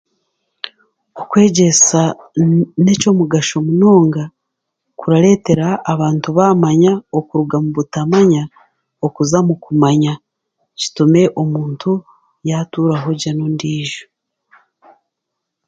Okwegyesa n'ekyomugasho munonga, kuraretera abantu bamanya okuruga omu butamanya, okuza omukumanya kitume omuntu yaturaho gye n'ondijo.